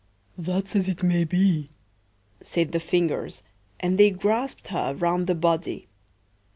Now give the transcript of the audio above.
"That's as it may be," said the Fingers; and they grasped her round the body.